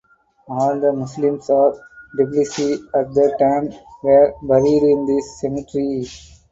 All the Muslims of Tbilisi at the time were buried in this cemetery.